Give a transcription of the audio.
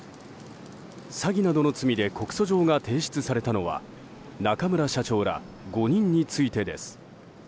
詐欺などの罪で告訴状が提出されたのは中村社長ら５人についてです。